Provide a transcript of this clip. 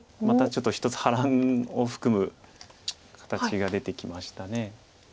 またちょっと一つ波乱を含む形が出てきました。